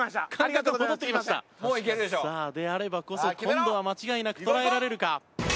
さあであればこそ今度は間違いなく捉えられるか？